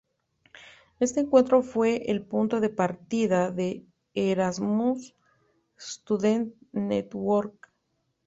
Este encuentro fue el punto de partida de Erasmus Student Network.